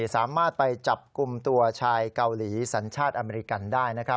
สามารถไปจับกลุ่มตัวชายเกาหลีสัญชาติอเมริกันได้